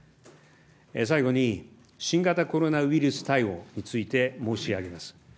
最後に、新型コロナウイルス対応について申し上げます。